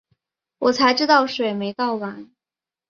我才知道水没倒完